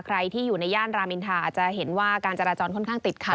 ใครที่อยู่ในย่านรามอินทาอาจจะเห็นว่าการจราจรค่อนข้างติดขัด